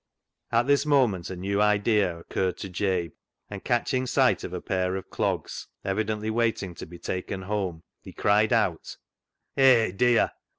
At this moment a new idea occurred to Jabe, and, catching sight of a pair of clogs, evidently waiting to be taken home, he cried out —" Hay, dear